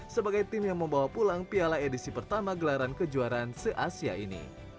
sebagai tim yang membawa pulang piala edisi pertama gelaran kejuaraan se asia ini